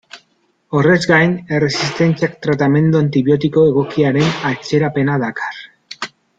Horrez gain, erresistentziak tratamendu antibiotiko egokiaren atzerapena dakar.